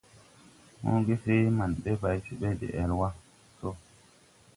Hõõgesee man ɓe bay se ɓe de ɛl wa so.